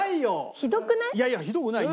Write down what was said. ひどくない？